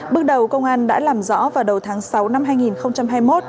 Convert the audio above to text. bước đầu công an đã làm rõ vào đầu tháng sáu năm hai nghìn hai mươi một